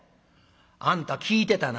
「あんた聞いてたな」。